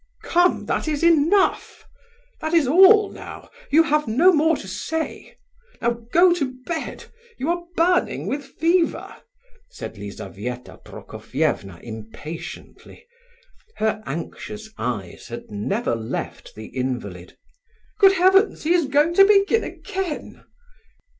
"Come, that is enough! That is all now; you have no more to say? Now go to bed; you are burning with fever," said Lizabetha Prokofievna impatiently. Her anxious eyes had never left the invalid. "Good heavens, he is going to begin again!"